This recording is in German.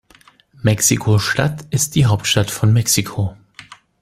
Mexiko-Stadt ist die Hauptstadt von Mexiko.